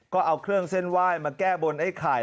ก็เอาเครื่องเส้นไหว้มาแก้บนไอ้ไข่